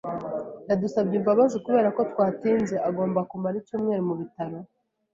Yadusabye imbabazi kuberako twatinze. Agomba kumara icyumweru mu bitaro.